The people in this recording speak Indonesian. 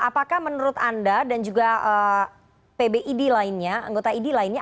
apakah menurut anda dan juga anggota idi lainnya